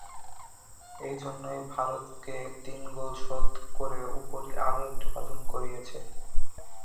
এই তিনজনই ভারতকে তিন গোল শোধ করে উপরি আরও একটি হজম করিয়েছে।